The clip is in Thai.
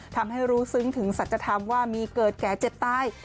ทำให้รู้ซึ้งถึงสัจธรรมว่ามีเกิดแก่เจ็บตาย